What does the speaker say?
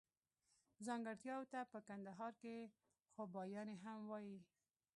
ځانګړتياوو ته په کندهار کښي خوباياني هم وايي.